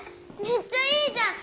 めっちゃいいじゃん！